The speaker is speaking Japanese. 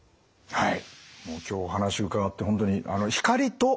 はい。